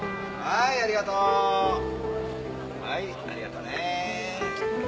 はいありがとうね。